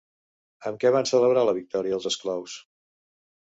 Amb què van celebrar la victòria els esclaus?